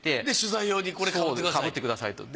で取材用にこれ被ってください。